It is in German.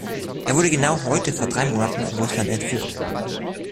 Er wurde genau heute vor drei Monaten in Russland entführt.